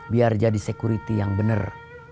biar jadi security yang benar